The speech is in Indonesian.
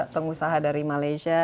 pengusaha dari malaysia